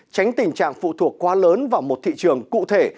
tránh tình trạng phụ thuộc quá lớn vào một thị trường cụ thể